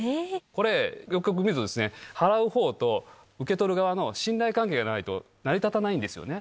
これ、よくよく見るとですね、払う方と受け取る側の信頼関係がないと、成り立たないんですよね。